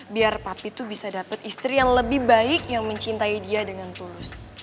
biar papi itu bisa dapat istri yang lebih baik yang mencintai dia dengan tulus